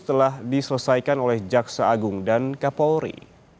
telah diselesaikan oleh jaksa agung dan kapolri